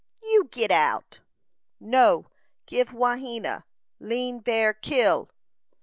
"You git out!" "No give Wahena, Lean Bear kill!"